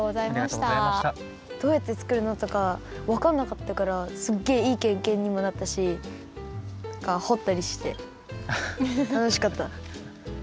どうやってつくるのとかわかんなかったからすっげえいいけいけんにもなったしなんかほったりして楽しかった。